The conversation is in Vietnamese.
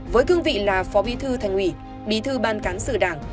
với cương vị là phó bí thư thành ủy bí thư ban cán sự đảng